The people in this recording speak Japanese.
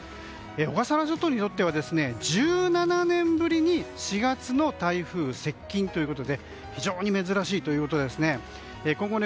小笠原諸島にとっては１７年ぶりに４月の台風接近ということで非常に珍しいということです。